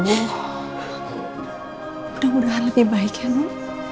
mudah mudahan lebih baik ya dulu